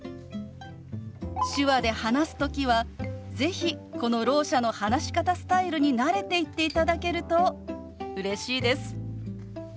手話で話す時は是非このろう者の話し方スタイルに慣れていっていただけるとうれしいです。